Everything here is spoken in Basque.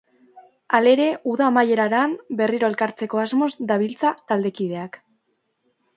Halere, uda amaieraran berriro elkartzeko asmoz dabiltza taldekideak.